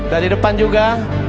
dari depan juga